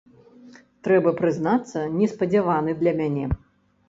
Трэба прызнацца, неспадзяваны для мяне.